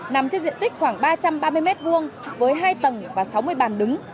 nằm trên diện tích khoảng ba trăm ba mươi m hai với hai tầng và sáu mươi bàn đứng